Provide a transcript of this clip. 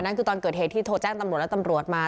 นั่นคือตอนเกิดเหตุที่โทรแจ้งตำรวจและตำรวจมา